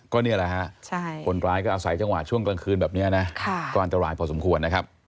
ก็นี่แหละฮะคนร้ายก็อาศัยจังหวะช่วงกลางคืนแบบนี้นะก็อันตรายพอสมควรนะครับ